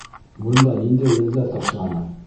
Бында ниндәй елдәр ташланы?